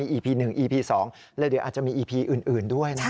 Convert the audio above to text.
อีพี๑อีพี๒แล้วเดี๋ยวอาจจะมีอีพีอื่นด้วยนะครับ